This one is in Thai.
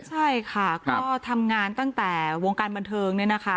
ใช่ค่ะก็ทำงานตั้งแต่วงการบันเทิงเนี่ยนะคะ